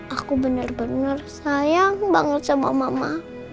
aku bener bener sayang banget sama mama